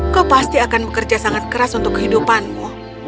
kau pasti akan bekerja sangat keras untuk kehidupanmu